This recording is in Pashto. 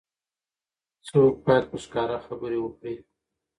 څوګ باید په ښکاره خبرې وکړي.